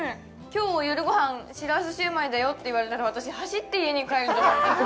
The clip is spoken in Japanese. きょうの夜ごはん、しらすシューマイだよって言われたら、私、走って家に帰ると思います。